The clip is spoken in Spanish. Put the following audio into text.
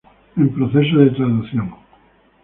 En proceso de traducción.